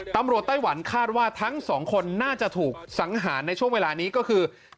ไต้หวันคาดว่าทั้งสองคนน่าจะถูกสังหารในช่วงเวลานี้ก็คือ